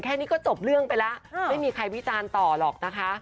แค่นี้ก็จบเรื่องไปแล้วไม่มีใครวิจารณ์ต่อหรอกนะคะ